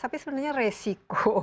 tapi sebenarnya resiko